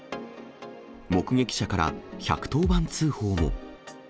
目撃者から１１０番通報も。